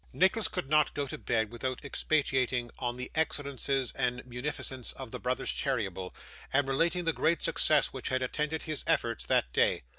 Nicholas could not go to bed without expatiating on the excellences and munificence of the brothers Cheeryble, and relating the great success which had attended his efforts that day.